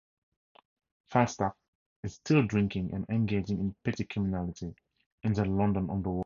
Falstaff is still drinking and engaging in petty criminality in the London underworld.